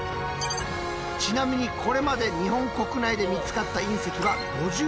ちなみにこれまで日本国内で見つかった隕石は５４個。